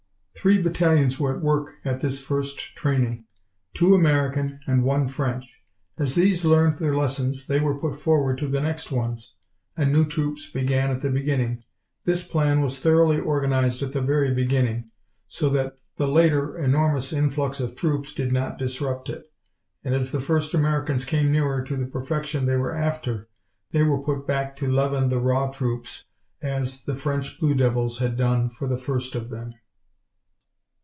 Three battalions were at work at this first training two American and one French. As these learned their lessons, they were put forward to the next ones, and new troops began at the beginning. This plan was thoroughly organized at the very beginning, so that the later enormous influx of troops did not disrupt it, and as the first Americans came nearer to the perfection they were after, they were put back to leaven the raw troops as the French Blue Devils had done for the first of them.